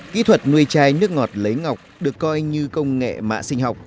kỹ thuật nuôi chai nước ngọt lấy ngọc được coi như công nghệ mạ sinh học